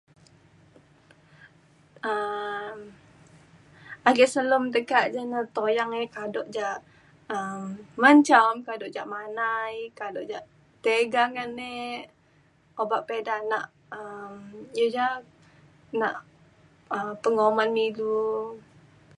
um ake selem teka' jane tuyang kadu' ja um mencam kadu' ia manai kadu' jak tega ngan ne obak peda nak um iu ja nak um penguman me ilu.